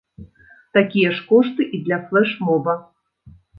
Такія ж кошты і для флэш-моба.